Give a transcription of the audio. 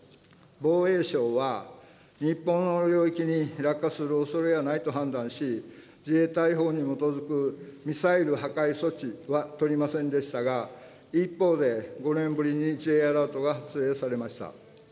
防衛省は、日本の領域に落下するおそれはないと判断し、自衛隊法に基づくミサイル破壊措置は取りませんでしたが、一方で、５年ぶりにＪアラートが発令されました。